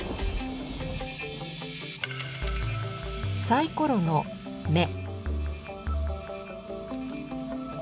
サイコロの目。